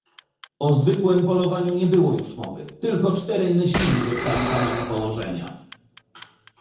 "O zwykłem polowaniu nie było już mowy, tylko czterej myśliwi zostali panami położenia."